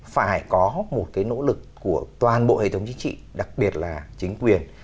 phải có một cái nỗ lực của toàn bộ hệ thống chính trị đặc biệt là chính quyền